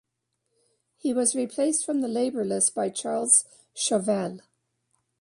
He was replaced from the Labour list by Charles Chauvel.